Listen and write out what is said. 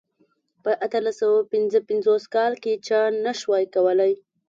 په اتلس سوه پنځه پنځوس کال کې چا نه شوای کولای.